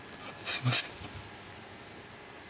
すいません。